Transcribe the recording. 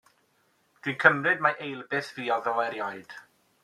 Dwi'n cymryd mai eilbeth fuodd o erioed.